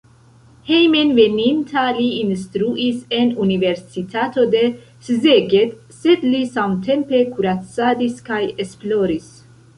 Hejmenveninta li instruis en universitato de Szeged, sed li samtempe kuracadis kaj esploris.